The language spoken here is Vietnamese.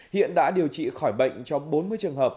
hiện đã điều trị khỏi bệnh cho bốn mươi trường hợp